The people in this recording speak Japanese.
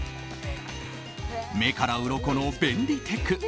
目からうろこの便利テク。